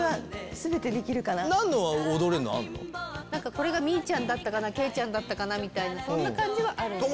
これがミイちゃんだったかなケイちゃんだったかなってそんな感じはあるんですけど。